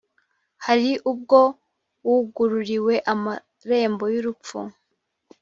hari ubwo wugururiwe amarembo y urupfu